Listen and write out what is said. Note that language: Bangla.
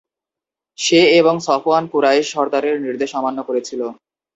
সে এবং সফওয়ান কুরাইশ সরদারের নির্দেশ অমান্য করেছিল।